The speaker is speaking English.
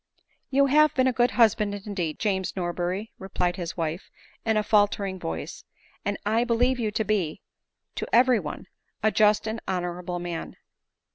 "You have been a good husband, indeed, James Norberry," replied his wife in a faltering voice; "and I believe you to be, to every one, a just and honorable man.'